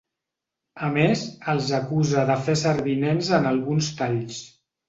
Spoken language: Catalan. A més, els acusa de fer servir nens en alguns talls.